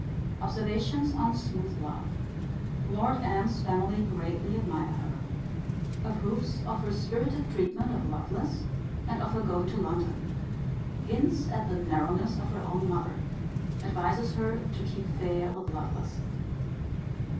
Observations on smooth love. Lord M.'s family greatly admire her. Approves of her spirited treatment of Lovelace, and of her going to London. Hints at the narrowness of her own mother. Advises her to keep fair with Lovelace.